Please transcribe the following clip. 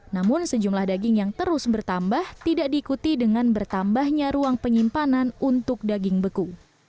namun sejumlah daging yang terus bertambah tidak diikuti dengan bertambahnya ruang penyimpanan untuk daging beku